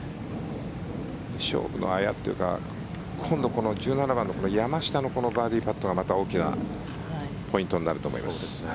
勝負のあやというか今度、この１７番の山下のこのバーディーパットがまた大きなポイントになると思います。